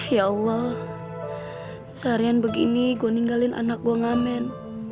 ya allah seharian begini gue ninggalin anak gue ngamen